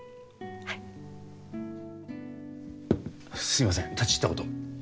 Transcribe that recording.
すみません立ち入ったことを。